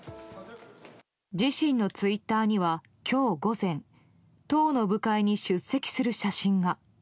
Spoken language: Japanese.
自身のツイッターには今日午前党の部会に出席する写真が。